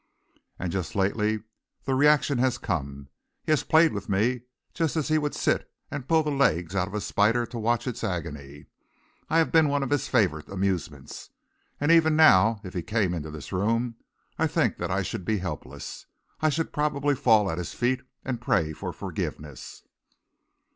And just lately the reaction has come. He has played with me just as he would sit and pull the legs out of a spider to watch its agony. I have been one of his favourite amusements. And even now, if he came into this room I think that I should be helpless. I should probably fall at his feet and pray for forgiveness."